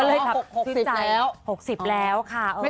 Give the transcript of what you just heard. เออหกสิบแล้วค่ะเออสิบใจอ๋อหกสิบแล้ว